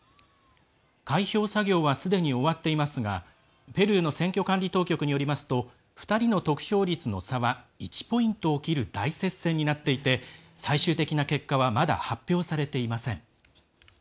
開票作業はすでに終わっていますがペルーの選挙管理当局によりますと２人の得票率の差は１ポイントを切る大接戦になっていて最終的な結果はまだ発表されていません。